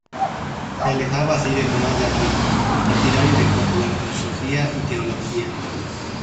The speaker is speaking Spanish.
Se alejaba así de Tomás de Aquino, partidario de conjugar filosofía y teología.